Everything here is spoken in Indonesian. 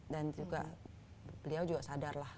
dan juga beliau juga sadar lah